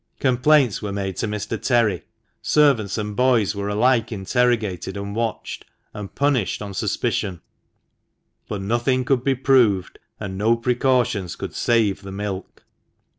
Complaints were made to Mr. Terry, servants and boys were alike interrogated and watched, and punished on suspicion, but nothing could be proved, and no precautions could save the milk.